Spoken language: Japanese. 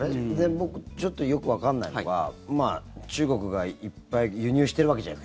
僕よくわからないのは中国がいっぱい輸入してるわけじゃない。